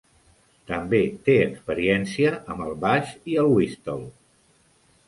També té experiència amb el baix i el whistle.